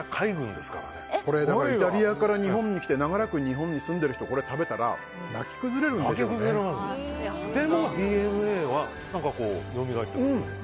だからイタリアから日本に来て長らく日本に住んでる人がこれ食べたらでもＤＮＡはよみがえってくる。